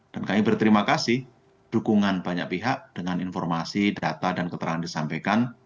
kami berterima kasih dukungan banyak pihak dengan informasi data dan keterangan disampaikan